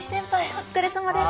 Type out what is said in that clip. お疲れさまです。